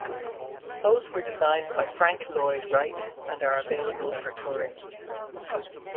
Both were designed by Frank Lloyd Wright and are available for touring.